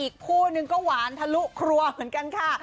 อีกคู่นึงก็หวานทะลุครัวเหมือนกันค่ะ